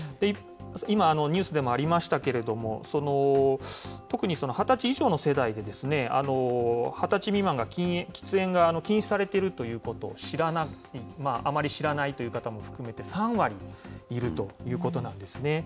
今、ニュースでもありましたけれども、特に２０歳以上の世代で、２０歳未満が喫煙が禁止されているということを知らない、あまり知らないという人も含めて３割いるということなんですね。